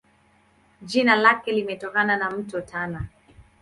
Jina lake limetokana na Mto Tana.